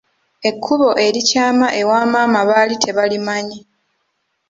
Ekkubo erikyama ewa maama baali tebalimanyi.